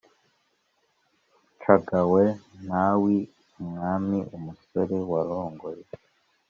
Nshagawe ntawi umwami-Umusore warongoye.